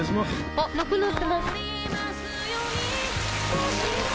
あっ、なくなってます。